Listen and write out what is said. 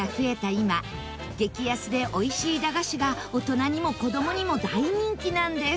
今激安でおいしい駄菓子が大人にも子供にも大人気なんです